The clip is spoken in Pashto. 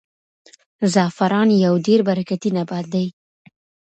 زعفران یو ډېر برکتي نبات دی.